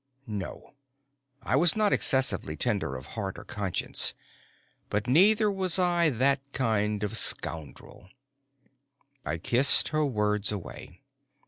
_ No. I was not excessively tender of heart or conscience, but neither was I that kind of scoundrel. I kissed her words away.